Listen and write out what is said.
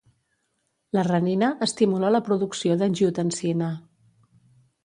La renina estimula la producció d'angiotensina.